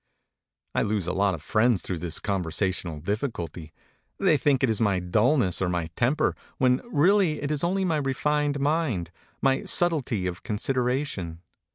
I lose a lot of friends through this conversational difficulty. They think it is my dulness or my temper, when really it is only my refined mind, my subtlety of consideration.